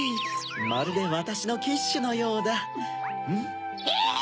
まるでわたしのキッシュのようだ。ヒィ！